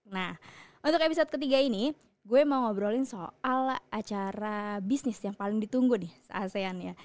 nah untuk episode ketiga ini gue mau ngobrolin soal acara bisnis yang paling ditunggu nih asean ya